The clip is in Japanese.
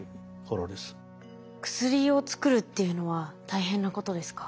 薬を作るっていうのは大変なことですか？